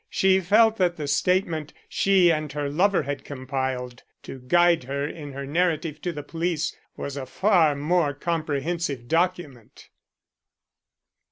She felt that the statement she and her lover had compiled, to guide her in her narrative to the police, was a far more comprehensive document.